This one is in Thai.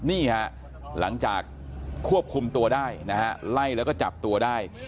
นี่ฮะหลังจากควบคุมตัวได้นะฮะไล่แล้วก็จับตัวได้